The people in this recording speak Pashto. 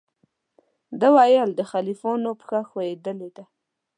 ده ویل د خلقیانو پښه ښویېدلې ده.